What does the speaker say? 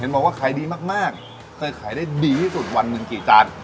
บอกว่าขายดีมากเคยขายได้ดีที่สุดวันหนึ่งกี่จาน